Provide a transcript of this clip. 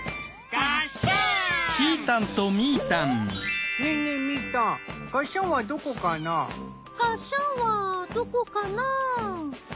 がっしゃんはどこかな？